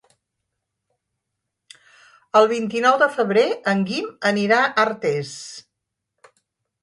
El vint-i-nou de febrer en Guim anirà a Artés.